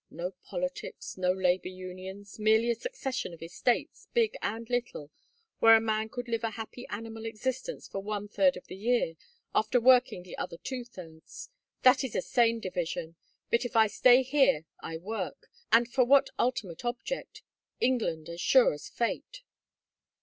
No politics, no labor unions, merely a succession of estates, big and little, where a man could live a happy animal existence for one third of the year, after working the other two thirds that is a sane division. But if I stay here I work. And for what ultimate object? England, as sure as fate."